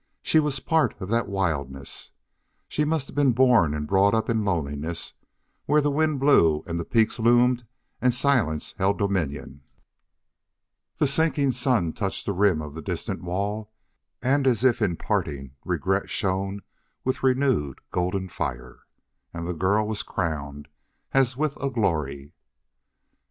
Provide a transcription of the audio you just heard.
She was a part of that wildness. She must have been born and brought up in loneliness, where the wind blew and the peaks loomed and silence held dominion. The sinking sun touched the rim of the distant wall, and as if in parting regret shone with renewed golden fire. And the girl was crowned as with a glory.